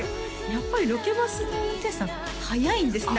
やっぱりロケバスの運転手さん早いんですね